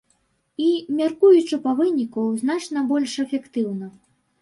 І, мяркуючы па выніку, значна больш эфектыўна.